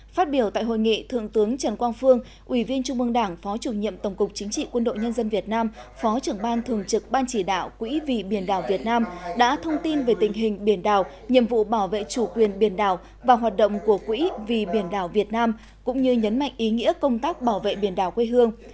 phát biểu tại hội nghị thượng tướng trần quang phương ủy viên trung mương đảng phó chủ nhiệm tổng cục chính trị quân đội nhân dân việt nam phó trưởng ban thường trực ban chỉ đạo quỹ vì biển đảo việt nam đã thông tin về tình hình biển đảo nhiệm vụ bảo vệ chủ quyền biển đảo và hoạt động của quỹ vì biển đảo việt nam cũng như nhấn mạnh ý nghĩa công tác bảo vệ biển đảo quê hương